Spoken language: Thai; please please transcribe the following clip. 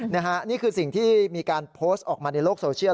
นี่คือสิ่งที่มีการโพสต์ออกมาในโลกโซเชียล